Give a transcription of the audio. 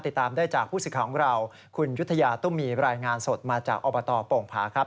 ติดตามได้จากผู้สิทธิ์ของเราคุณยุธยาตุ้มมีรายงานสดมาจากอบตโป่งผาครับ